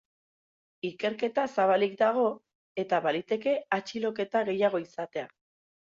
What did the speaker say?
Ikerketa zabalik dago, eta baliteke atxiloketa gehiago izatea.